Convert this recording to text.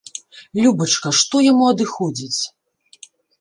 Любачка, што яму адыходзіць?